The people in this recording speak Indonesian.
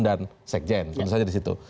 dan sekjen tentu saja di situ